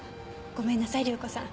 ごめんなさい涼子さん。